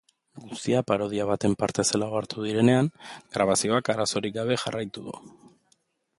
Guztia parodia baten parte zela ohartu direnean, grabazioak arazorik gabe jarraitu du.